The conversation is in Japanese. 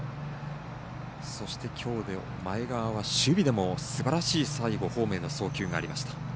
そして、前川はきょうは守備でもすばらしい最後、ホームへの送球がありました。